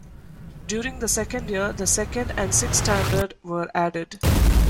During the second year, the second and sixth standard were added.